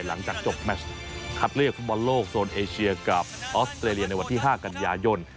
หลังจากจบแมชคัดเลือกฟุตบอลโลกโซนเอเชียกับออสเตรเลียในวันที่๕กันยายน